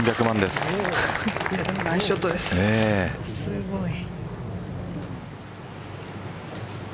すごい。